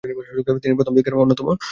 তিনি প্রথমদিককার অন্যতম উদ্যোক্তা।